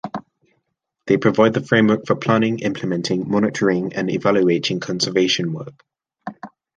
They provide the framework for planning, implementing, monitoring and evaluating conservation work.